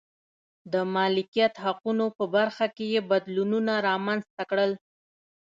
د مالکیت حقونو په برخه کې یې بدلونونه رامنځته کړل.